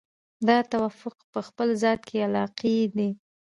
دا توافق په خپل ذات کې عقلایي دی.